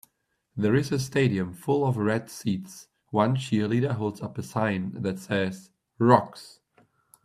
There is a stadium full of red seats, one cheerleader holds up a sign that says ROCKS.